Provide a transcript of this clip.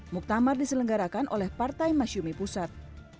muktamar diselenggarakan oleh partai masyumi pusat